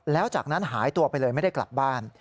แล้วจากนั้นหายตัวไปเลยไม่ได้กลับบ้าน